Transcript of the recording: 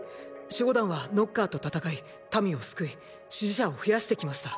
守護団はノッカーと戦い民を救い支持者を増やしてきました。